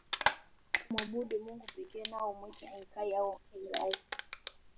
Wamasai humwabudu Mungu pekee nao humwita Enkai au Engai